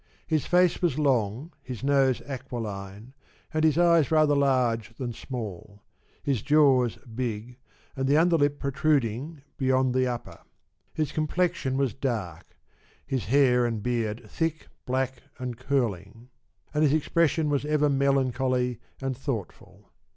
His face was long, his nose aquiline, and his eyes rather large than small ; his jaws big, and the under lip protruding beyond the upper. His com plexion was dark, his hair and beard thick, black, and curling, and his expression was ever melancholy and thoughtful.